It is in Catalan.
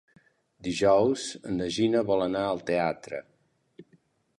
Dijous na Gina vol anar al teatre.